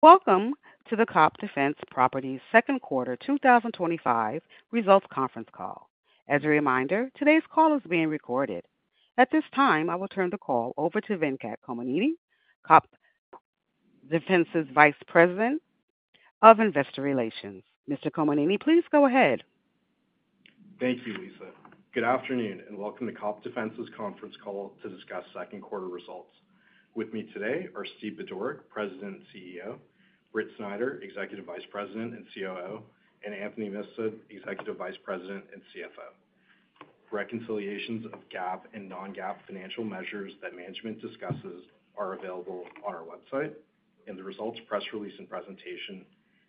Welcome to the COPT Defense Properties second quarter 2025 results conference call. As a reminder, today's call is being recorded. At this time, I will turn the call over to Venkat Kommineni, COPT Defense Properties' Vice President of Investor Relations. Mr. Kommineni, please go ahead. Thank you. Good afternoon and welcome to COPT Defense Properties' conference call to discuss second quarter results. With me today are Stephen E. Budorick, President and CEO, Britt Snider, Executive Vice President and COO, and Anthony Mifsud, Executive Vice President and CFO. Reconciliations of GAAP and non-GAAP financial measures that management discusses are available on our website in the results press release and presentation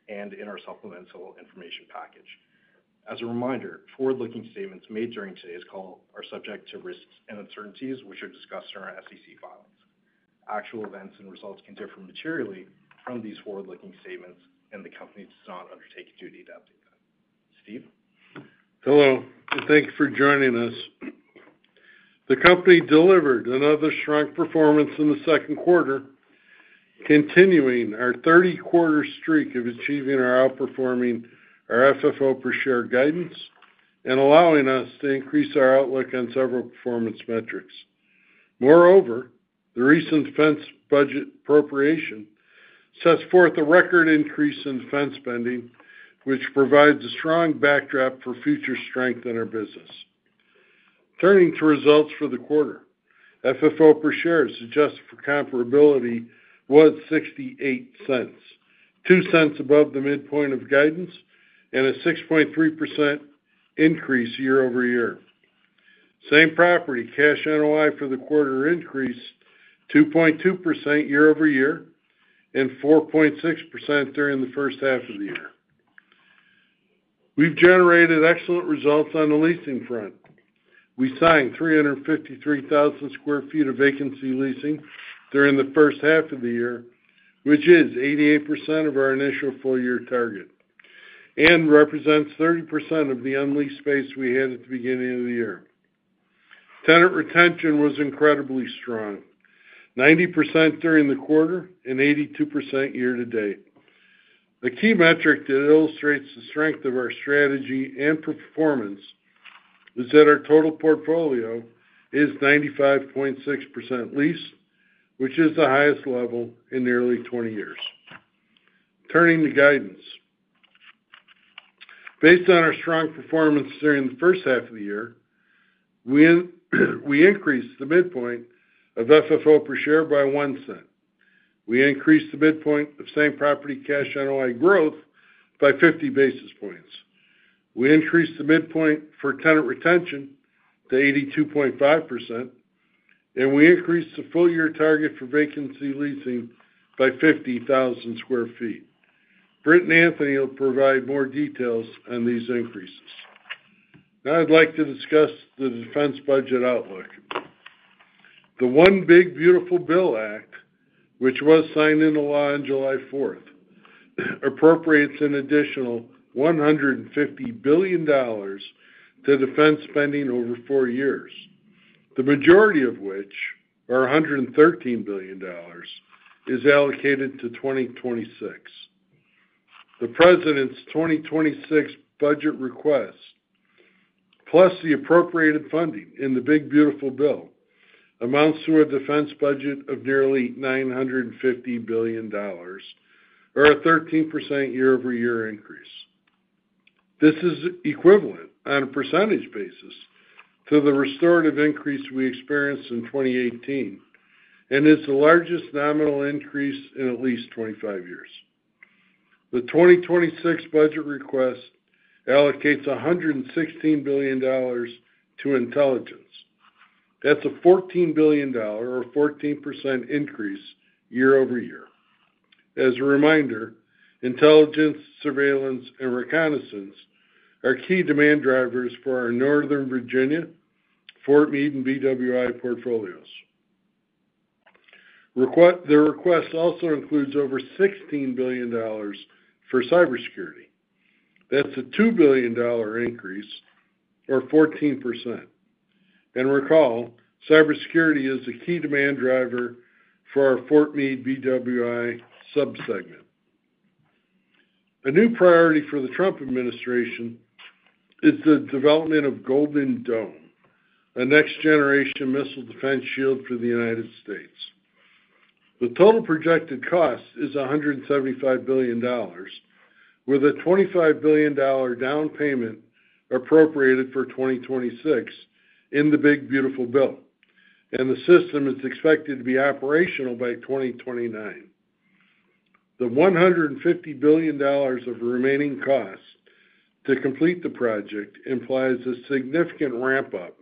and in our Supplemental Information package. As a reminder, forward-looking statements made during today's call are subject to risks and uncertainties which are discussed in our SEC filings. Actual events and results can differ materially from these forward-looking statements and the Company does not undertake duty to update them. Steve, hello, thank you for joining us. The Company delivered another strong performance in the second quarter, continuing our 30 quarter streak of achieving or outperforming our FFO per share guidance and allowing us to increase our outlook on several performance metrics. Moreover, the recent defense budget appropriation sets forth a record increase in defense spending, which provides a strong backdrop for future strength in our business. Turning to results for the quarter, FFO per share as adjusted for comparability was $0.68, $0.02 above the midpoint of guidance and a 6.3% increase year over year. Same property cash NOI for the quarter increased 2.2% year over year and 4.6% during the first half of the year. We've generated excellent results on the leasing front. We signed 353,000 square feet of vacancy leasing during the first half of the year, which is 88% of our initial full year target and represents 30% of the unleased space we had at the beginning of the year. Tenant retention was incredibly strong, 90% during the quarter and 82% year to date. A key metric that illustrates the strength of our strategy and performance is that our total portfolio is 95.6% leased, which is the highest level in nearly 20 years. Turning to guidance, based on our strong performance during the first half of the year, we increased the midpoint of FFO per share by $0.01, we increased the midpoint of same property cash NOI growth by 50 basis points, we increased the midpoint for tenant retention to 82.5%, and we increased the full year target for vacancy leasing by 50,000 square feet. Britt and Anthony will provide more details on these increases. Now I'd like to discuss the defense budget outlook. The One Big Beautiful Bill act, which was signed into law on July 4, appropriates an additional $150 billion to defense spending over four years, the majority of which, or $113 billion, is allocated to 2026. The president's 2026 budget request plus the appropriated funding in the Big Beautiful Bill amounts to a defense budget of nearly $950 billion, or a 13% year over year increase. This is equivalent on a percentage basis to the restorative increase we experienced in 2018 and is the largest nominal increase in at least 25 years. The 2026 budget request allocates $116 billion to intelligence. That's a $14 billion, or 14%, increase year over year. As a reminder, intelligence, surveillance, and reconnaissance are key demand drivers for our Northern Virginia, Fort Meade, and BWI portfolios. The request also includes over $16 billion for cybersecurity. That's a $2 billion increase or 14%. Recall, cybersecurity is a key demand driver for our Fort Meade BWI sub segment. A new priority for the Trump Administration is the development of Golden Dome, a next generation missile defense shield for the United States. The total projected cost is $175 billion, with a $25 billion down payment appropriated for 2026 in the One Big Beautiful Bill, and the system is expected to be operational by 2029. The $150 billion of remaining costs to complete the project implies a significant ramp up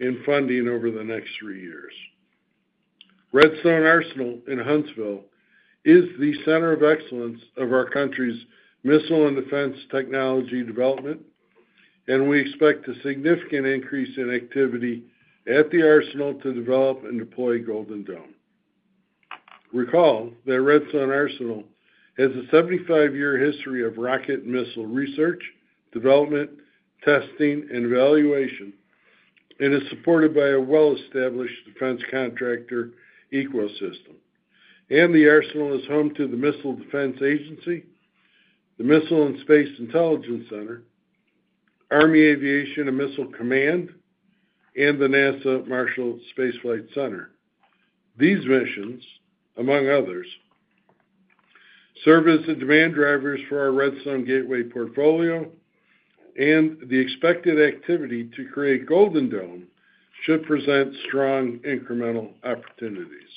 in funding over the next three years. Redstone Arsenal in Huntsville is the center of excellence of our country's missile and defense technology development, and we expect a significant increase in activity at the arsenal to develop and deploy Golden Dome. Recall that Redstone Arsenal has a 75-year history of rocket missile research, development, testing, and evaluation, and is supported by a well-established defense contractor ecosystem. The arsenal is home to the Missile Defense Agency, the Missile and Space Intelligence Center, Army Aviation and Missile Command, and the NASA Marshall Space Flight Center. These missions, among others, serve as the demand drivers for our Redstone Gateway portfolio, and the expected activity to create Golden Dome should present strong incremental opportunities.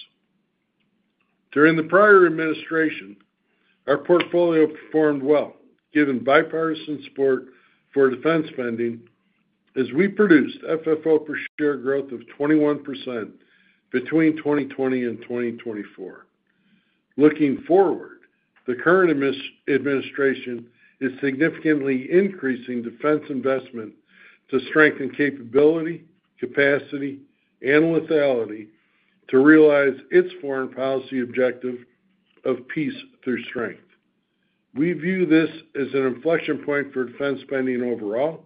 During the prior administration, our portfolio performed well given bipartisan support for defense spending as we produced FFO per share growth of 21% between 2020 and 2024. Looking forward, the current administration is significantly increasing defense investment to strengthen capability, capacity, and lethality to realize its foreign policy objective of peace through strength. We view this as an inflection point for defense spending overall,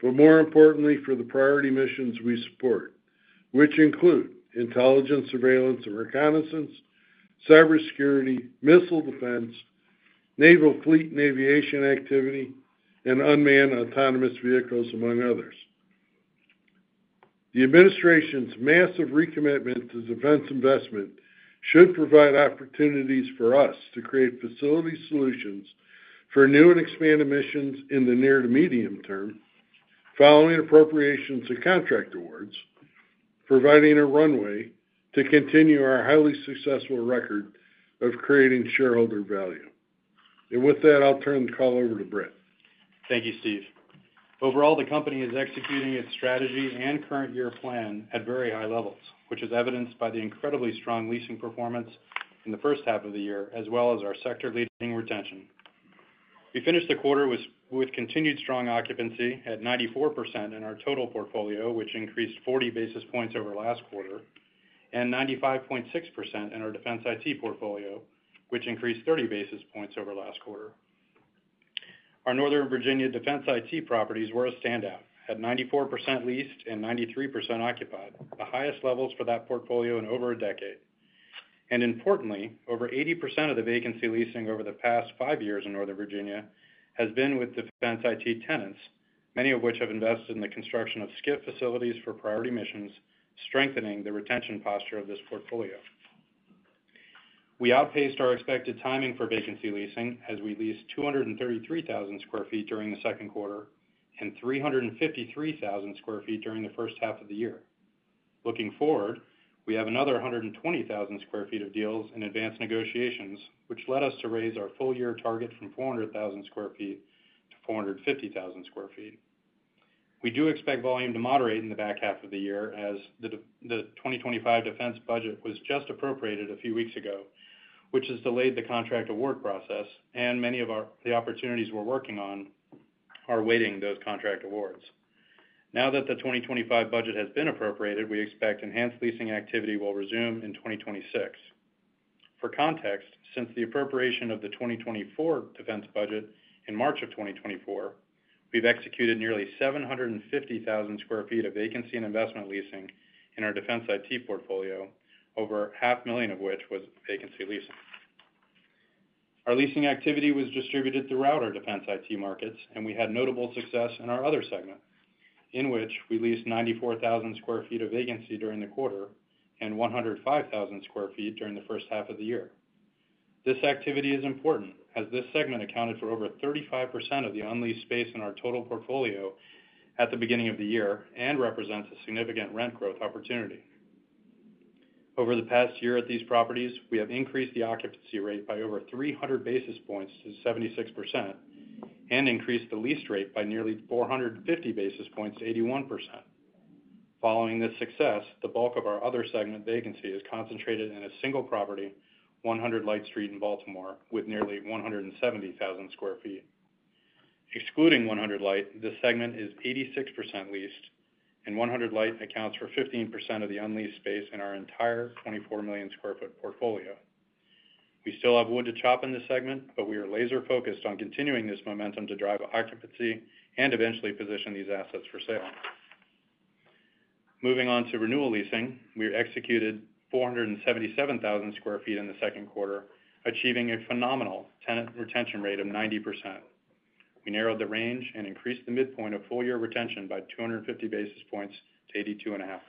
but more importantly for the priority missions we support, which include intelligence, surveillance, and reconnaissance, cybersecurity, missile defense, naval fleet and aviation activity, and unmanned autonomous vehicles, among others. The Administration's massive recommitment to defense investment should provide opportunities for us to create facility solutions for new and expanded missions in the near to medium term following appropriations of contract awards, providing a runway to continue our highly successful record of creating shareholder value. With that, I'll turn the call over to Britt. Thank you, Steve. Overall, the company is executing its strategy and current year plan at very high levels, which is evidenced by the incredibly strong leasing performance in the first half of the year as well as our sector-leading retention. We finished the quarter with continued strong occupancy at 94% in our total portfolio, which increased 40 basis points over last quarter, and 95.6% in our Defense IT portfolio, which increased 30 basis points over last quarter. Our Northern Virginia Defense IT properties were a standout at 94% leased and 93% occupied, the highest levels for that portfolio in over a decade. Importantly, over 80% of the vacancy leasing over the past five years in Northern Virginia has been with Defense IT tenants, many of which have invested in the construction of SCIF facilities for priority missions, strengthening the retention posture of this portfolio. We outpaced our expected timing for vacancy leasing as we leased 233,000 square feet during the second quarter and 353,000 square feet during the first half of the year. Looking forward, we have another 120,000 square feet of deals in advanced negotiations, which led us to raise our full year target from 400,000 square feet to 450,000 square feet. We do expect volume to moderate in the back half of the year as the 2025 defense budget was just appropriated a few weeks ago, which has delayed the contract award process and many of the opportunities we're working on are awaiting those contract awards. Now that the 2025 budget has been appropriated, we expect enhanced leasing activity will resume in 2026. For context, since the appropriation of the 2024 defense budget in March of 2024, we've executed nearly 750,000 square feet of vacancy and investment leasing and in our Defense IT portfolio, over half a million of which was vacancy leasing. Our leasing activity was distributed throughout our Defense IT markets and we had notable success in our other segment in which we leased 94,000 square feet of vacancy during the quarter and 105,000 square feet during the first half of the year. This activity is important as this segment accounted for over 35% of the unleased space in our total portfolio at the beginning of the year and represents a significant rent growth opportunity. Over the past year at these properties, we have increased the occupancy rate by over 300 basis points to 76% and increased the leased rate by nearly 450 basis points to 81%. Following this success, the bulk of our other segment vacancy is concentrated in a single property, 100 Light Street in Baltimore. With nearly 170,000 square feet, excluding 100 Light, this segment is 86% leased and 100 Light accounts for 15% of the unleased space in our entire 24 million square foot portfolio. We still have wood to chop in this segment, but we are laser focused on continuing this momentum to drive occupancy and eventually position these assets for sale. Moving on to renewal leasing, we executed 477,000 square feet in the second quarter, achieving a phenomenal tenant retention rate of 90%. We narrowed the range and increased the midpoint of full year retention by 250 basis points to 82.5%.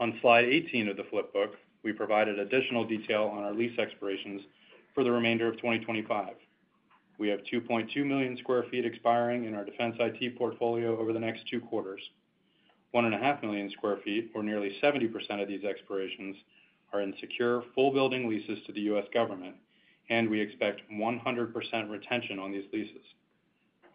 On slide 18 of the flipbook, we provided additional detail on our lease expirations for the remainder of 2025. We have 2.2 million square feet expiring in our Defense IT portfolio over the next two quarters. One and a half million square feet, or nearly 70% of these expirations, are in secure full building leases to the U.S. government and we expect 100% retention on these leases.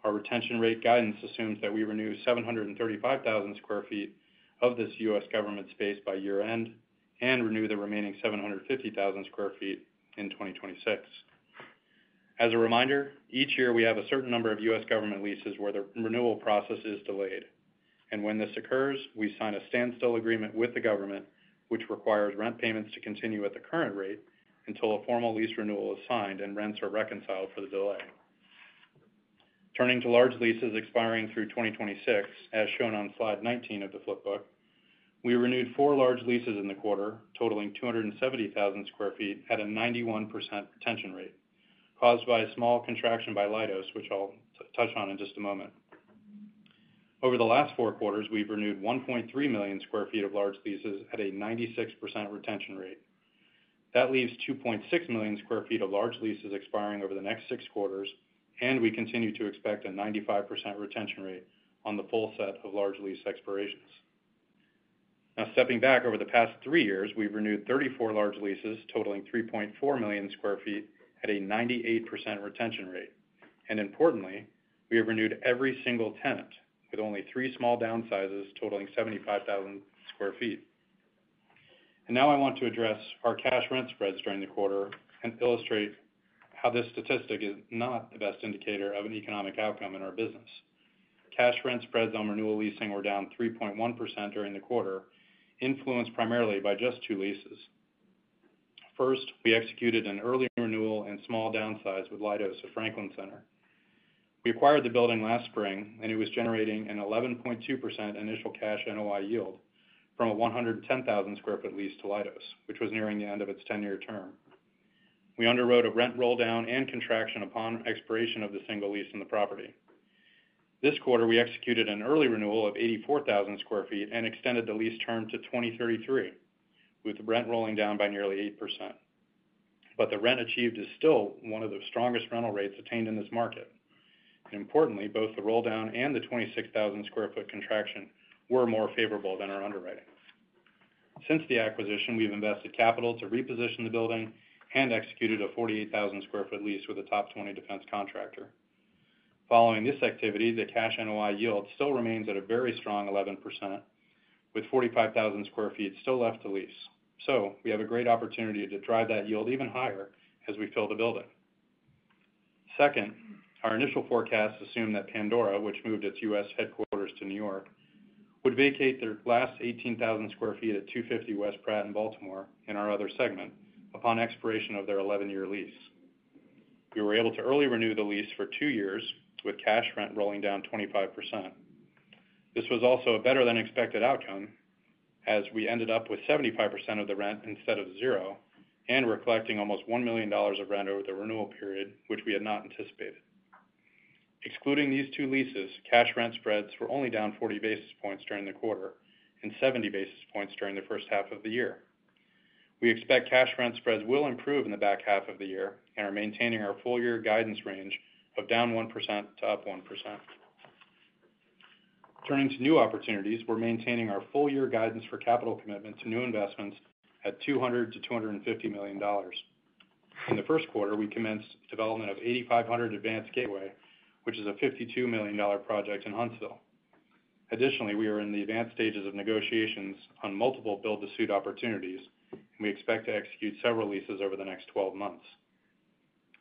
Our retention rate guidance assumes that we renew 735,000 square feet of this U.S. government space by year end and renew the remaining 750,000 square feet in 2026. As a reminder, each year we have a certain number of U.S. government leases where the renewal process is delayed and when this occurs we sign a standstill agreement with the government, which requires rent payments to continue at the current rate until a formal lease renewal is signed and rents are reconciled for the delay. Turning to large leases expiring through 2026, as shown on slide 19 of the flipbook, we renewed 4 large leases in the quarter totaling 270,000 square feet at a 91% retention rate caused by a small contraction by Leidos, which I'll touch on in just a moment. Over the last four quarters, we've renewed 1.3 million square feet of large leases at a 96% retention rate. That leaves 2.6 million square feet of large leases expiring over the next six quarters and we continue to expect a 95% retention rate on the full set of large lease expirations. Now, stepping back, over the past three years we've renewed 34 large leases totaling 3.4 million square feet at a 98% retention rate. Importantly, we have renewed every single tenant with only three small downsizes totaling 75,000 square feet. I want to address our cash rent spreads during the quarter and illustrate how this statistic is not the best indicator of an economic outcome in our business. Cash rent spreads on renewal leasing were down 3.1% during the quarter, influenced primarily by just two leases. First, we executed an early renewal and small downsize with Leidos at Franklin Center. We acquired the building last spring and it was generating an 11.2% initial cash NOI yield from a 110,000 square foot lease to Leidos, which was nearing the end of its 10-year term. We underwrote a rent roll down and contraction upon expiration of the single lease in the property. This quarter, we executed an early renewal of 84,000 square feet and extended the lease term to 2033 with rent rolling down by nearly 8%. The rent achieved is still one of the strongest rental rates attained in this market. Importantly, both the roll down and the 26,000 square foot contraction were more favorable than our underwriting. Since the acquisition, we've invested capital to reposition the building and executed a 48,000 square foot lease with a top 20 defense contractor. Following this activity, the cash NOI yield still remains at a very strong 11% with 45,000 square feet still left to lease. We have a great opportunity to drive that yield even higher as we fill the building. Second, our initial forecast assumed that Pandora, which moved its U.S. headquarters to New York, would vacate their last 18,000 square feet at 250 West Pratt in Baltimore. In our other segment, upon expiration of their 11-year lease, we were able to early renew the lease for two years with cash rent rolling down 25%. This was also a better than expected outcome as we ended up with 75% of the rent instead of zero and were collecting almost $1 million of rent over the renewal period, which we had not anticipated. Excluding these two leases, cash rent spreads were only down 40 basis points during the quarter and 70 basis points during the first half of the year. We expect cash rent spreads will improve in the back half of the year and are maintaining our full year guidance range of down 1% to up 1%. Turning to new opportunities, we're maintaining our full year guidance for capital commitment to new investments at $200 million-$250 million. In the first quarter, we commenced development of 8500 Advanced Gateway, which is a $52 million project in Huntsville. Additionally, we are in the advanced stages of negotiations on multiple build-to-suit opportunities, and we expect to execute several leases over the next 12 months.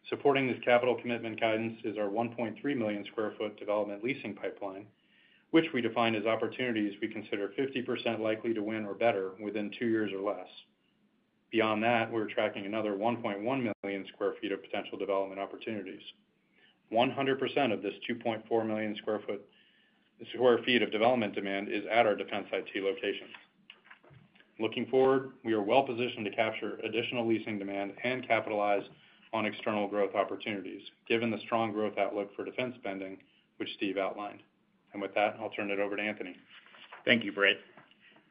Supporting this capital commitment guidance is our 1.3 million square foot development leasing pipeline, which we define as opportunities we consider 50% likely to win or better within two years or less. Beyond that, we're tracking another 1.1 million square feet of potential development opportunities. 100% of this 2.4 million square feet of development demand is at our Defense IT locations. Looking forward, we are well positioned to capture additional leasing demand and capitalize on external growth opportunities given the strong growth outlook for defense spending, which Steve outlined, and with that I'll turn it. Over to Anthony. Thank you, Britt.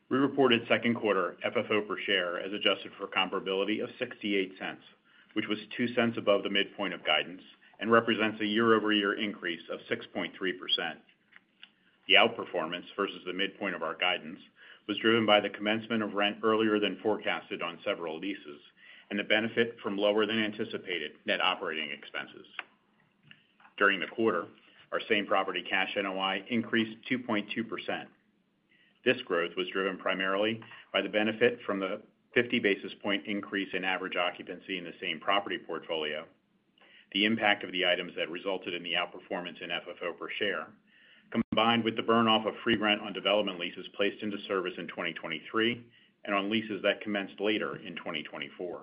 We reported second quarter FFO per share as adjusted for comparability of $0.68, which was $0.02 above the midpoint of guidance and represents a year over year increase of 6.3%. The outperformance versus the midpoint of our guidance was driven by the commencement of rent earlier than forecasted on several leases and the benefit from lower than anticipated net operating expenses. During the quarter, our same property cash NOI increased 2.2%. This growth was driven primarily by the benefit from the 50 basis point increase in average occupancy in the same property portfolio. The impact of the items that resulted in the outperformance in FFO per share combined with the burn off of free grant on development leases placed into service in 2023 and on leases that commenced later in 2024.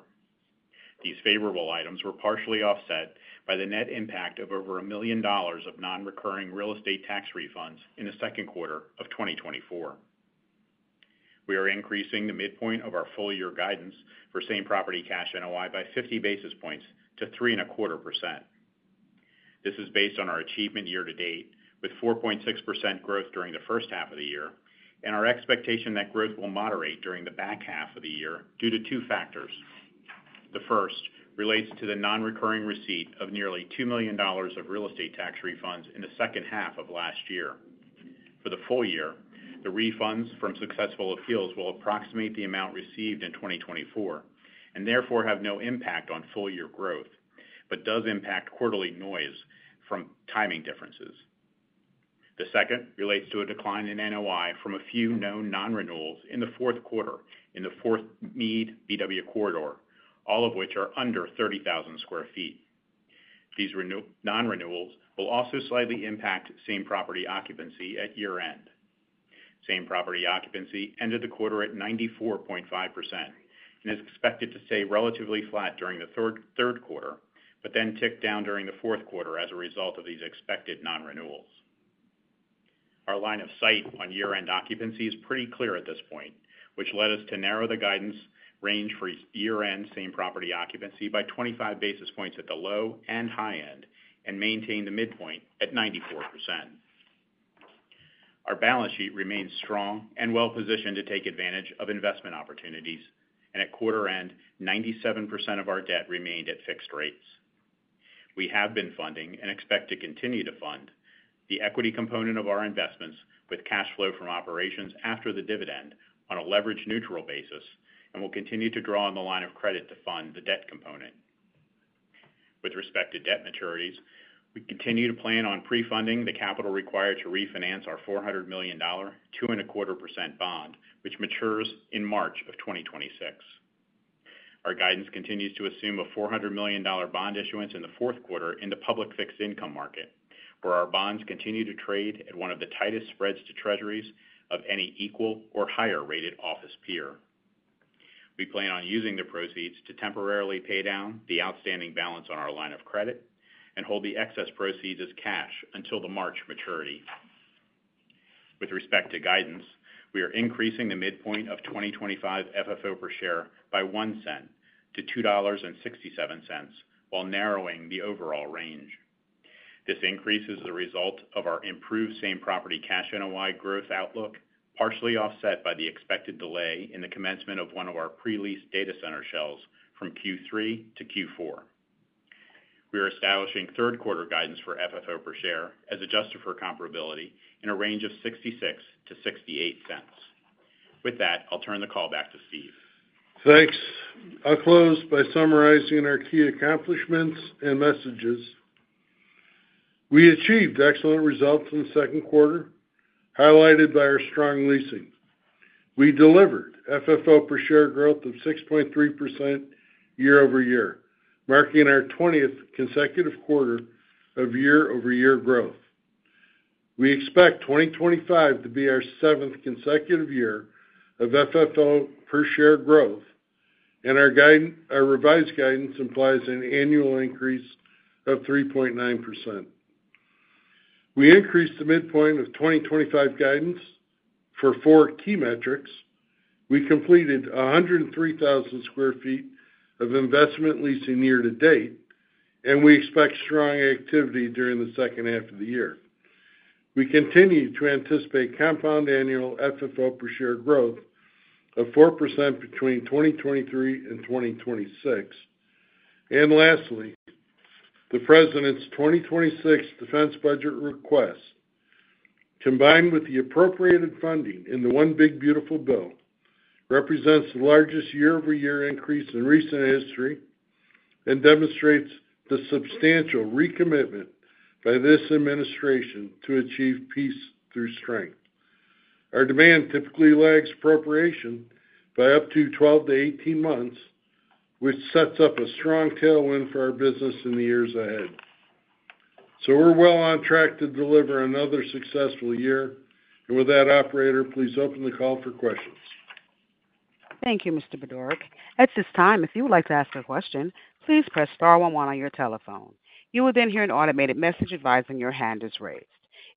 These favorable items were partially offset by the net impact of over $1 million of nonrecurring real estate tax refunds in the second quarter of 2024. We are increasing the midpoint of our full year guidance for same property cash NOI by 50 basis points to 3.25%. This is based on our achievement year to date with 4.6% growth during the first half of the year and our expectation that growth will moderate during the back half of the year due to two factors. The first relates to the nonrecurring receipt of nearly $2 million of real estate tax refunds in the second half of last year. For the full year, the refunds from successful appeals will approximate the amount received in 2024 and therefore have no impact on full year growth but does impact quarterly noise from timing differences. The second relates to a decline in NOI from a few known nonrenewals in the fourth quarter in the Fort Meade BWI corridor, all of which are under 30,000 square feet. These nonrenewals will also slightly impact same property occupancy at year end. Same property occupancy ended the quarter at 94.5% and is expected to stay relatively flat during the third quarter but then tick down during the fourth quarter as a result of these expected nonrenewals. Our line of sight on year end occupancy is pretty clear at this point, which led us to narrow the guidance range for year end same property occupancy by 25 basis points at the low and high end and maintain the midpoint at 94%. Our balance sheet remains strong and well positioned to take advantage of investment opportunities, and at quarter end, 97% of our debt remained at fixed rates. We have been funding and expect to continue to fund the equity component of our investments with cash flow from operations after the dividend on a leverage neutral basis, and we'll continue to draw on the line of credit to fund the debt component. With respect to debt maturities, we continue to plan on pre-funding the capital required to refinance our $400 million 2.25% bond, which matures in March of 2026. Our guidance continues to assume a $400 million bond issuance in the fourth quarter in the public fixed income market, where our bonds continue to trade at one of the tightest spreads to Treasuries of any equal or higher rated office peer. We plan on using the proceeds to temporarily pay down the outstanding balance on our line of credit and hold the excess proceeds as cash until the March maturity. With respect to guidance, we are increasing the midpoint of 2025 FFO per share by $0.01-$2.67 while narrowing the overall range. This increase is the result of our improved same property cash NOI growth outlook, partially offset by the expected delay in the commencement of one of our pre-leased data center shells. From Q3 to Q4, we are establishing third quarter guidance for FFO per share as adjusted for comparability in a range of $0.66-$0.68. With that, I'll turn the call back to Steve. Thanks. I'll close by summarizing our key accomplishments and messages. We achieved excellent results in the second quarter, highlighted by our strong leasing. We delivered FFO per share growth of 6.3% year over year, marking our 20th consecutive quarter of year over year growth. We expect 2025 to be our seventh consecutive year of FFO per share growth, and our revised guidance implies an annual increase of 3.9%. We increased the midpoint of 2025 guidance for four key metrics. We completed 103,000 square feet of investment leasing year to date, and we expect strong activity during the second half of the year. We continue to anticipate compound annual FFO per share growth of 4% between 2023 and 2026. Lastly, the President's 2026 defense budget request, combined with the appropriated funding in the One Big Beautiful Bill, represents the largest year over year increase in recent history and demonstrates the substantial recommitment by this administration to achieve peace through strength. Our demand typically lags appropriation by up to 12 to 18 months, which sets up a strong tailwind for our business. In the years ahead. We are well on track to deliver another successful year, and with that, Operator, please open the call for questions. Thank you, Mr. Budorick. At this time, if you would like to ask a question, please press 11 on your telephone. You will then hear an automated message advising your hand is raised.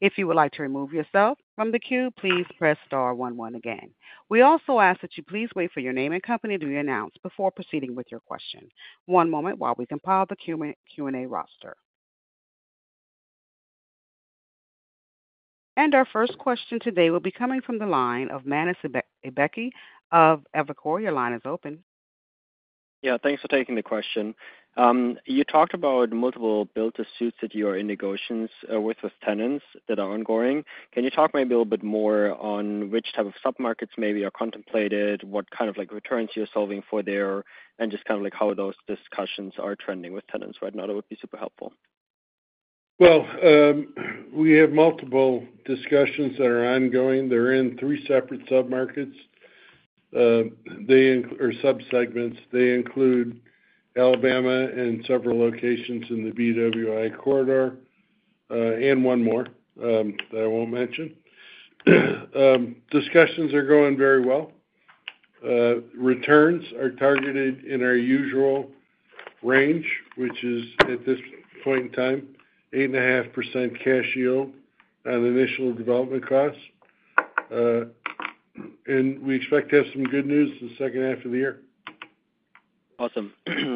If you would like to remove yourself from the queue, please press star one one again. We also ask that you please wait for your name and company to be announced before proceeding with your question. One moment while we compile the Q&A roster. Our first question today will be coming from the line of Manis Ebeki of Evacor. Your line is open. Yeah, thanks for taking the question. You talked about multiple build-to-suit opportunities that you are in negotiations with tenants that are ongoing. Can you talk maybe a little bit more on which type of submarkets maybe are contemplated, what kind of returns you're solving for there, and just kind of like how those discussions are trending with tenants right now? That would be super helpful. We have multiple discussions that are ongoing. They're in three separate submarkets or subsegments. They include Alabama and several locations in the BWI corridor, and one more that I won't mention. Discussions are going very well. Returns are targeted in our usual range, which is at this point in time, 8.5% cash yield on initial development costs. We expect to have some good news in the second half of the year.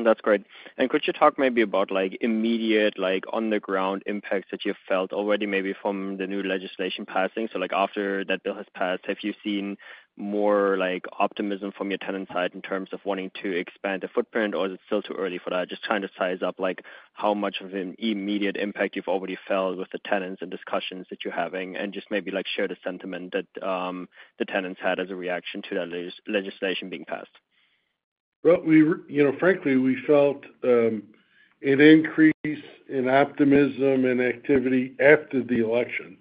That's great. Could you talk maybe about immediate on the ground impacts that you felt already from the new legislation passing? After that bill has passed, have you seen more optimism from your tenant side in terms of wanting to expand the footprint or is it still too early for that? I'm just trying to size up how much of an immediate impact you've already felt with the tenants and discussions that you're having and just maybe share the sentiment that the tenants had as a reaction to that legislation being passed? Frankly, we felt an increase in optimism and activity after the election,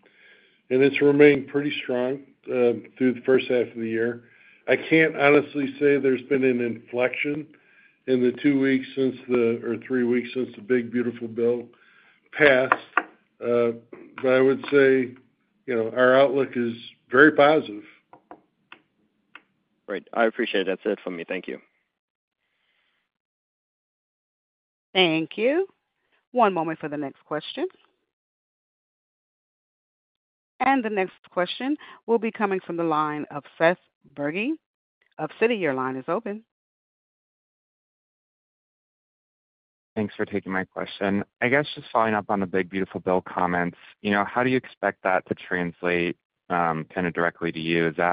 and it's remained pretty strong through the first half of the year. I can't honestly say there's been an inflection in the two or three weeks since the One Big Beautiful Bill passed. I would say our outlook is very positive. Right. I appreciate it, that's it for me. Thank you. Thank you. One moment for the next question. The next question will be coming from the line of Seth Bergie of Citi. Your line is open. Thanks for taking my question. I guess just following up on the One Big Beautiful Bill comments, you know, how do you expect that to translate. Of directly to you? Do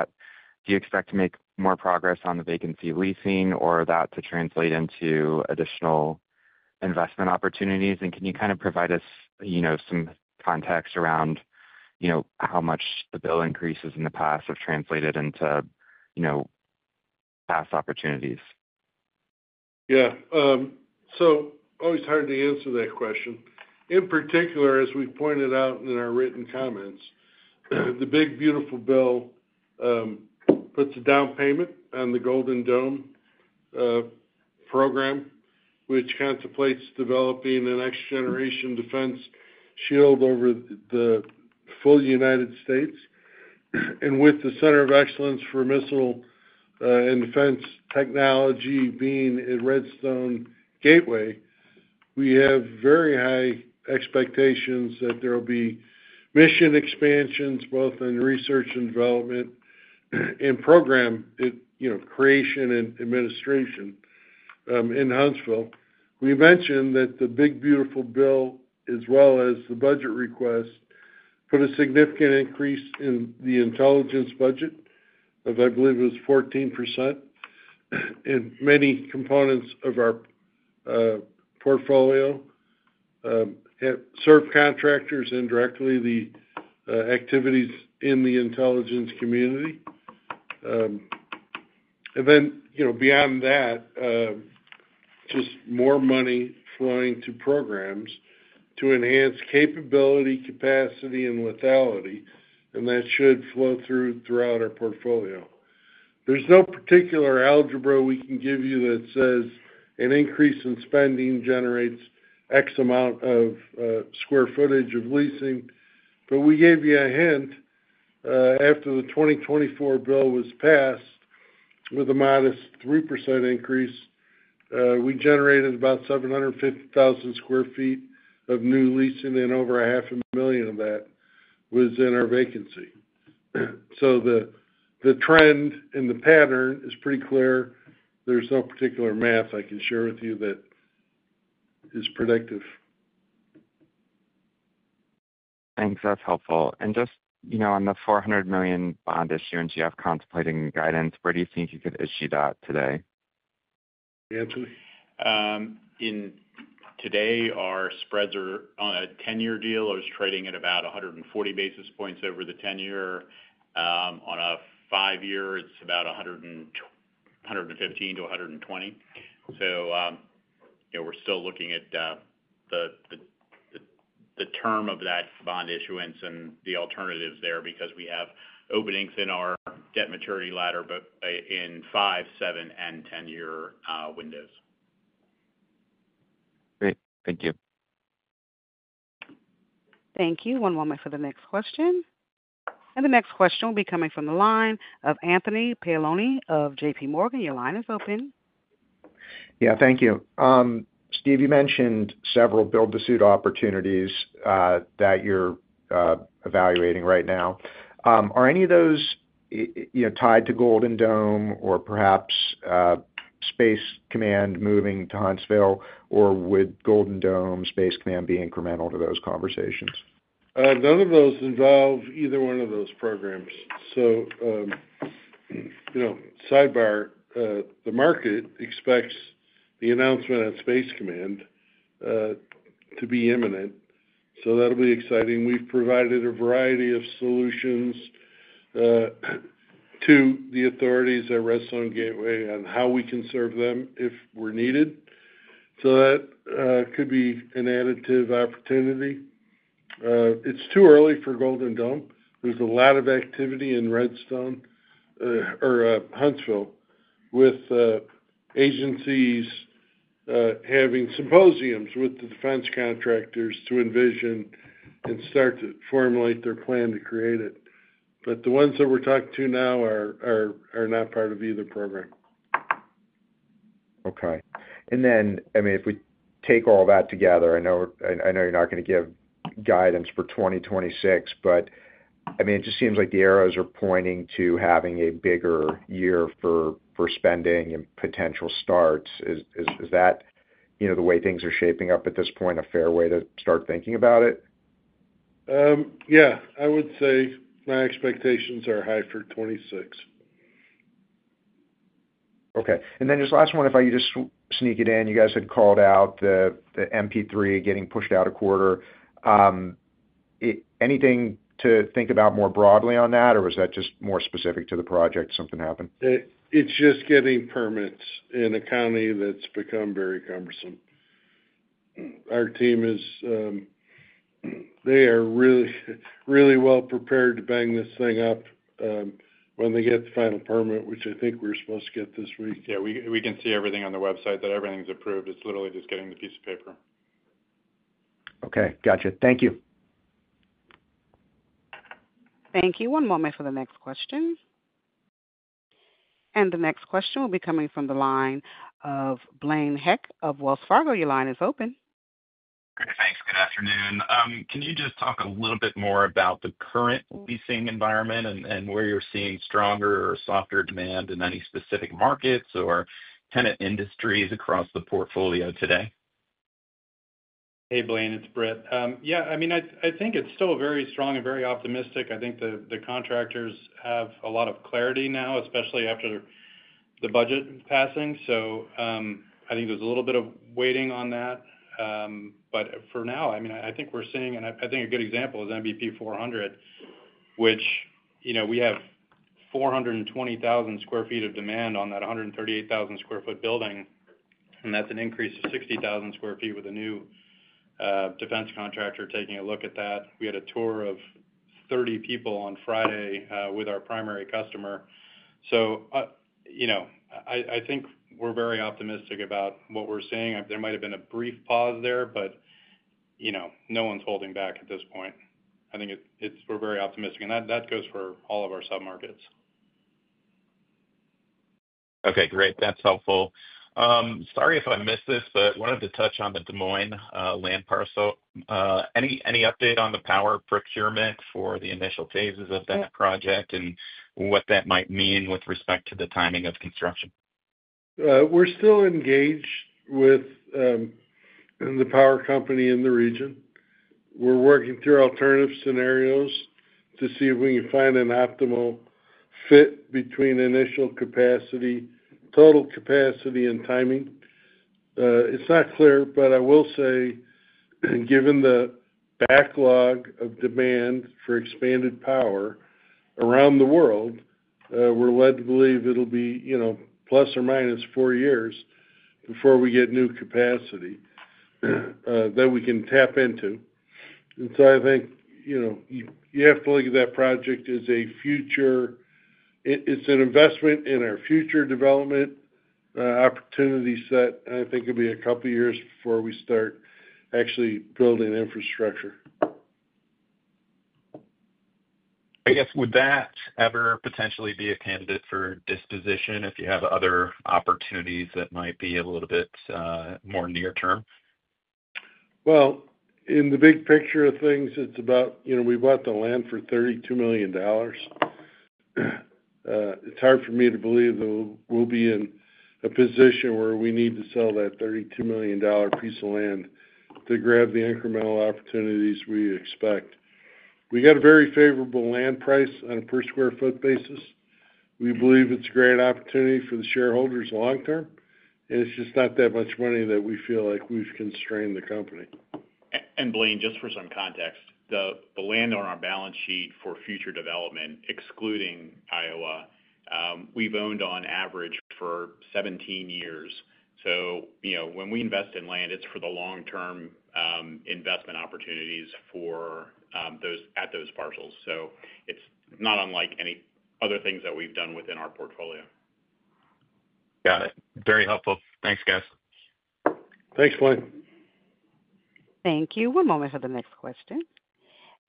you expect to make more progress on the vacancy leasing or that to translate into additional investment opportunities? Can you provide us some context around how much the bill increases in the past have translated into past opportunities? Yeah, so always hard to answer that question. In particular, as we pointed out in our written comments, the One Big Beautiful Bill puts a down payment on the Golden Dome program, which contemplates developing the next generation defense shield over the full United States. With the Center of Excellence for Missile and Defense Technology being at Redstone Arsenal, we have very high expectations that there will be mission expansions both in research and development and program creation and administration in Huntsville. We mentioned that the One Big Beautiful Bill, as well as the budget request, put a significant increase in the intelligence budget of, I believe it was 14%, and many components of our portfolio serve contractors indirectly to the activities in the intelligence community. Beyond that, just more money flowing to programs to enhance capability, capacity, and lethality. That should flow throughout our portfolio. There's no particular algebra we can give you that says an increase in spending generates X amount of square footage of leasing. We gave you a hint. After the 2024 bill was passed, with a modest 3% increase, we generated about 750,000 square feet of new leasing, and over half a million of that was in our vacancy. The trend and the pattern are pretty clear. There's no particular math I can share with you that is predictive. Thanks, that's helpful. Just, you know, on the $400 million bond issuance you have contemplating guidance, where do you think you could issue that? Today. Our spreads are on a 10-year deal. It was trading at about 140 basis points over the 10-year. On a five-year, it's about 115 to 120. We're still looking at the term of that bond issuance and the alternatives there because we have openings in our debt maturity ladder in 5, 7, and 10-year windows. Great, thank you. Thank you. One moment for the next question. The next question will be coming from the line of Anthony Paolone of JPMorgan. Your line is open. Yeah. Thank you. Steve, you mentioned several build-to-suit opportunities that you're evaluating right now. Are any of those tied to Golden Dome or perhaps Space Command moving to Huntsville? Or would Golden Dome Space Command be incremental to those conversations? None of those involve either one of those programs. Sidebar, the market expects the announcement at Space Command to be imminent, so that'll be exciting. We've provided a variety of solutions to the authorities at Redstone Gateway on how we can serve them if we're needed. That could be an additive opportunity. It's too early for Golden Dome. There's a lot of activity in Redstone or Huntsville with agencies having symposiums with the defense contractors to envision and start to formulate their plan to create it. The ones that we're talking to now are not part of either program. Okay. If we take all that together, I know you're not going to give guidance for 2026, but it just seems like the arrows are pointing to having a bigger year for spending and potential starts. Is that the way things are shaping up at this point? A fair way to start thinking about it? Yeah, I would say my expectations are high for 2026. Okay. Just last one, if I could just sneak it in. You guys had called out the MP3 getting pushed out a quarter. Anything to think about more broadly on that, or was that just more specific to the project? Something happened. It's just getting permits in a county that's become very cumbersome. Our team is really, really well prepared to bang this thing up when they get the final permit, which I think we're supposed to get this week. Yeah, we can see everything on the website that everything's approved. It's literally just getting the piece of paper. Okay, gotcha. Thank you. Thank you. One moment for the next question. The next question will be coming from the line of Blaine Heck of Wells Fargo. Your line is open. Great, thanks. Good afternoon. Can you just talk a little bit more about the current leasing environment and where you're seeing stronger or softer demand in any specific markets or tenant industries across the portfolio today. Hey, Blaine, it's Britt. Yeah, I mean, I think it's still very strong and very optimistic. I think the contractors have a lot of clarity now, especially after the budget passing. I think there's a little bit of waiting on that. For now, I think we're seeing, and I think a good example is MVP 400, which we have 420,000 square feet of demand on that 138,000 square foot building, and that's an increase of 60,000 square feet with a new defense contractor taking a look at that. We had a tour of 30 people on Friday with our primary customer. I think we're very optimistic about what we're seeing. There might have been a brief pause there, but no one's holding back at this point. I think we're very optimistic, and that goes for all of our sub markets. Okay, great. That's helpful. Sorry if I missed this, but wanted. To touch on the Des Moines land parcel. Any update on the power procurement for the initial phases of that project? What that might mean with respect to. The timing of construction, we're still engaged with the power company in the region. We're working through alternative scenarios to see if we can find an optimal fit between initial capacity, total capacity, and timing. It's not clear, but I will say, given the backlog of demand for expanded power around the world, we're led to believe it'll be plus or minus four years before we get new capacity that we can tap into. I think you have to look at that project as a future. It's an investment in our future development opportunity set. I think it'll be a couple years before we start actually building infrastructure. Would that ever potentially be a candidate for disposition if you have other opportunities that might be a little bit more near term? In the big picture of things, it's about, you know, we bought the land for $32 million. It's hard for me to believe that we'll be in a position where we need to sell that $32 million piece of land to grab the incremental opportunities we expect. We got a very favorable land price on a per square foot basis. We believe it's a great opportunity for the shareholders long term, and it's just not that much money that we feel like we've constrained the company. Blaine, just for some context, the land on our balance sheet for future development, excluding Iowa, we've owned on average for 17 years. When we invest in land, it's for the long term investment opportunities for at those parcels. It's not unlike any other things that we've done within our portfolio. Got it. Very helpful. Thanks. Thanks Blaine. Thank you. One moment for the next question.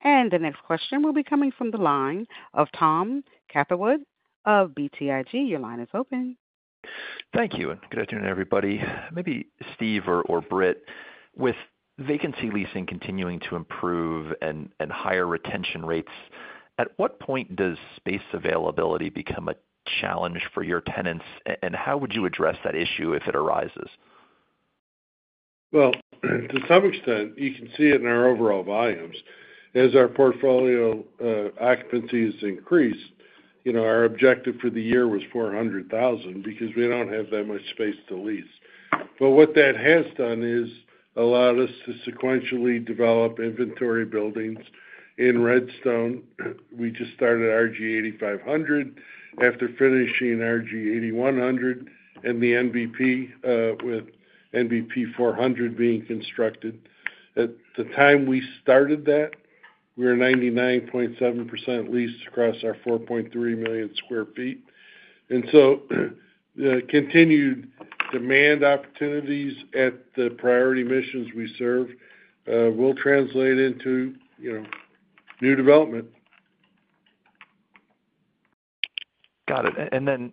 The next question will be coming from the line of Tom Catherwood of BTIG. Your line is open. Thank you and good afternoon everybody. Maybe Steve or Britt, with vacancy leasing continuing to improve and higher retention rates, at what point does space availability become a challenge for your tenants, and how would you address that issue if it arises? To some extent you can see it in our overall volumes as our portfolio occupancies increase. You know, our objective for the year was 400,000 because we don't have that much space to lease. What that has done is allowed us to sequentially develop inventory buildings. In Redstone, we just started RG 8500 after finishing RG 8100 and the NBP with NBP 400 being constructed. At the time we started that, we were 99.7% leased across our 4.3 million square feet. The continued demand opportunities at the priority missions we serve will translate into new development. Got it.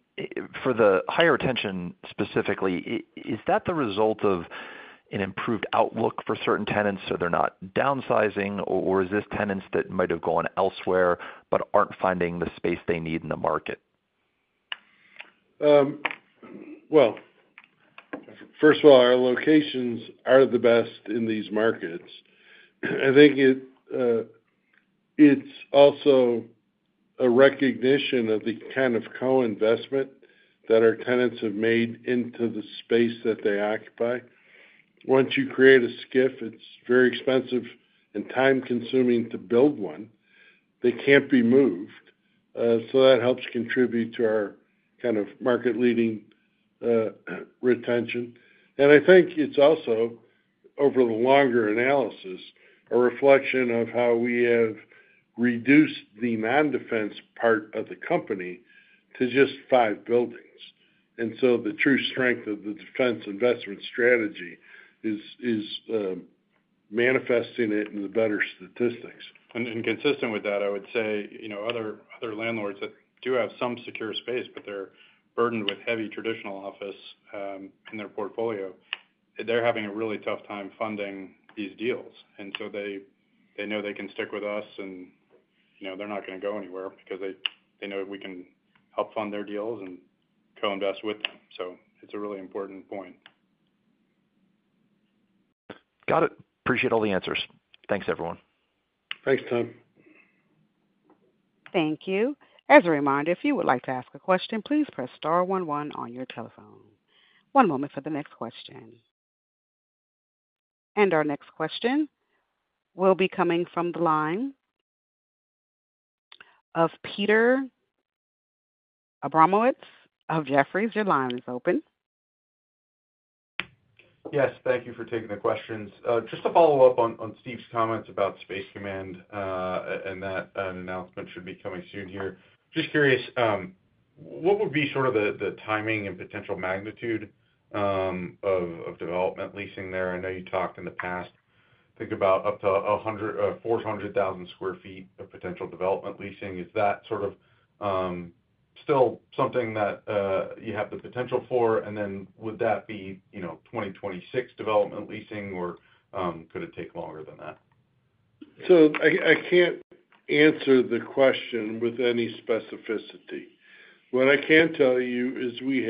For the higher tension specifically, is that the result of an improved outlook for certain tenants so they're not downsizing, or is this tenants that might have gone elsewhere but aren't finding the space they need in the market? First of all, our locations are the best in these markets. I think it's also a recognition of the kind of co-investment that our tenants have made into the space that they occupy. Once you create a SCIF, it's very expensive and time consuming to build one. They can't be moved. That helps contribute to our kind of market-leading retention. I think it's also, over the longer analysis, a reflection of how we have reduced the non-defense part of the company to just five buildings, and the true strength of the defense investment strategy is manifesting it in the better statistics. Consistent with that, I would say, you know, other landlords that do have some secure space but they're burdened with heavy traditional office in their portfolio are having a really tough time funding these deals. They know they can stick with us and you know they're not going to go anywhere because they know we can help fund their deals and co-invest with them. It's a really important point. Got it. Appreciate all the answers. Thanks everyone. Thanks, Tom. Thank you. As a reminder, if you would like to ask a question, please press star 11 on your telephone. One moment for the next question. Our next question will be coming from the line of Peter Abramowicz of Jefferies. Your line is open. Yes, thank you for taking the questions. Just to follow up on Steve's comments about Space Command and that an announcement should be coming soon here. Just curious, what would be sort of the timing and potential magnitude of development leasing there? I know you talked in the past, think about up to 400,000 square feet of potential development leasing. Is that sort of still something that you have the potential for? Would that be 2026 development leasing or could it take longer than that? I can't answer the question with any specificity. What I can tell you is we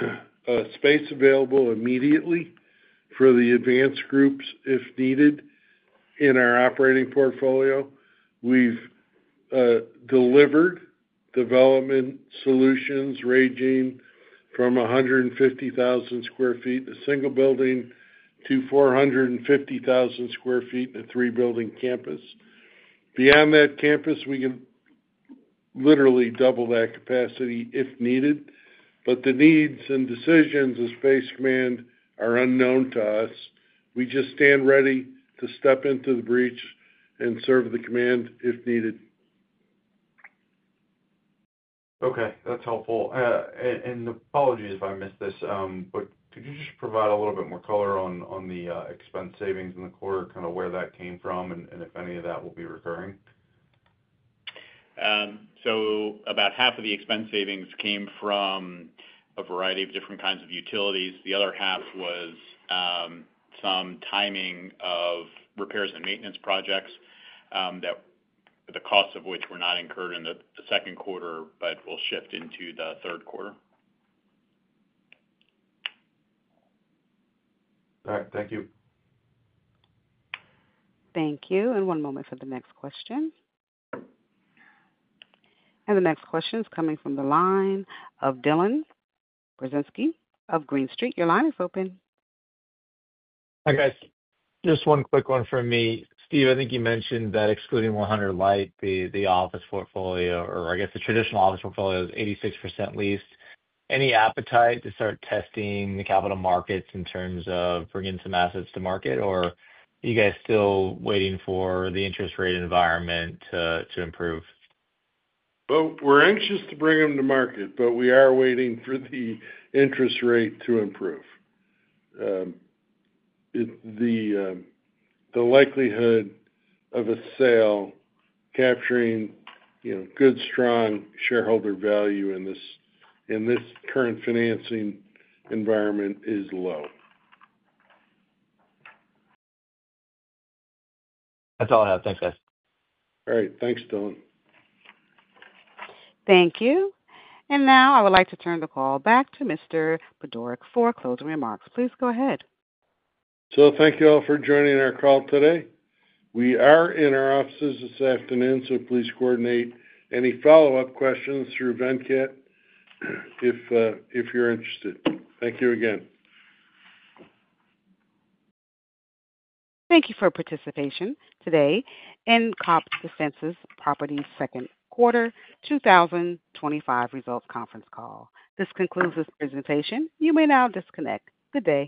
have space available immediately for the advanced groups if needed. In our operating portfolio, we've delivered development solutions ranging from 150,000 square feet, a single building, to 450,000 square feet, a three building campus. Beyond that campus, we can literally double that capacity if needed. The needs and decisions of Space Command are unknown to us. We just stand ready to step into the breach and serve the command if needed. Okay, that's helpful, and apologies if I missed this, but could you just provide a little bit more color on the expense savings in the quarter, kind of where that came from, and if any of that will be recurring? About half of the expense savings came from a variety of different kinds of utilities. The other half was some timing of repairs and maintenance projects, the costs of which were not incurred in the second quarter, but will shift into the third quarter. All right, thank you. Thank you. One moment for the next question. The next question is coming from the line of Dylan Brzezinski of Green Street. Your line is open. Hi guys. Just one quick one for me. Steve, I think you mentioned that excluding. 100 Light, the office portfolio, or I. Guess the traditional office portfolio is 86% leased. Any appetite to start testing the capital markets in terms of bringing some assets? To market, or are you guys still. Waiting for the interest rate environment to improve? We are anxious to bring them to market, but we are waiting for the interest rate to improve the likelihood of a sale. Capturing good, strong shareholder value in this current financing environment is low. That's all I have. Thanks, guys. Great. Thanks, Dylan. Thank you. I would like to turn the call back to Mr. Budorick for closing remarks. Please go ahead. Thank you all for joining our call today. We are in our offices this afternoon. Please coordinate any follow up questions through Venkat if you're interested. Thank you again. Thank you for your participation today in COPT Defense Properties second quarter 2025 results conference call. This concludes this presentation. You may now disconnect. Good day.